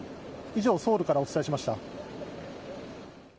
以上ソウルからお伝えしました。